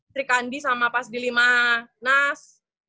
di trikandi sama pas di lima nas